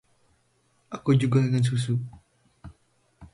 Aku juga ingin susu.